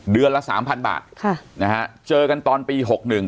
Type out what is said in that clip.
เดือนละสามพันบาทค่ะนะฮะเจอกันตอนปีหกหนึ่ง